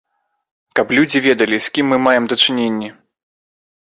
Каб людзі ведалі з кім мы маем дачыненні.